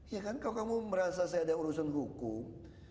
ya kan kalau kamu merasa saya ada urusan hukum